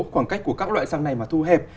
khoảng cách của các loại xăng này mà thu hẹp